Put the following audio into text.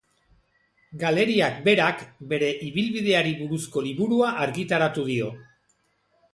Galeriak berak, bere ibilbideari buruzko liburua argitaratu dio.